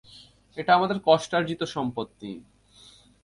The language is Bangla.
এটা আমাদের কষ্টার্জিত সম্পত্তি।